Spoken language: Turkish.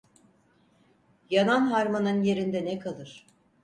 Yanan harmanın yerinde ne kalır?.